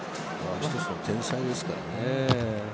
一つの天才ですからね。